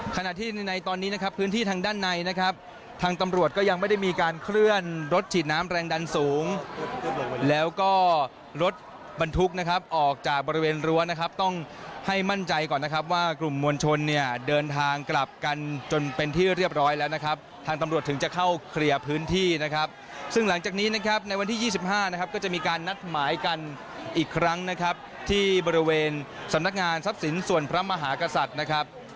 ขณะที่ในตอนนี้นะครับพื้นที่ทางด้านในนะครับทางตำรวจก็ยังไม่ได้มีการเคลื่อนรถฉีดน้ำแรงดันสูงแล้วก็รถบรรทุกนะครับออกจากบริเวณรั้วนะครับต้องให้มั่นใจก่อนนะครับว่ากลุ่มมวลชนเนี่ยเดินทางกลับกันจนเป็นที่เรียบร้อยแล้วนะครับทางตำรวจถึงจะเข้าเคลียบพื้นที่นะครับซึ่งหลังจากนี้นะครับ